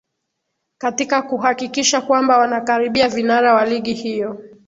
katika kuhakikisha kwamba wana karibia vinara wa ligi hiyo